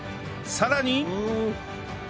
さらに